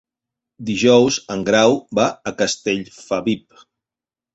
Dijous en Grau va a Castellfabib.